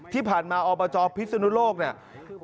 ที่ผ่านมาอบจพิศนุโลกเนี่ย